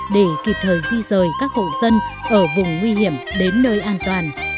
để kịp thời di rời các hộ dân ở vùng nguy hiểm đến nơi an toàn